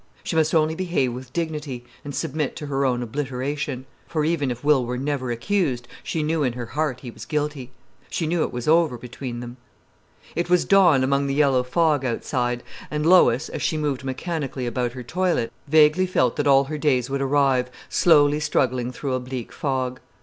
She must only behave with dignity, and submit to her own obliteration. For even if Will were never accused, she knew in her heart he was guilty. She knew it was over between them. It was dawn among the yellow fog outside, and Lois, as she moved mechanically about her toilet, vaguely felt that all her days would arrive slowly struggling through a bleak fog.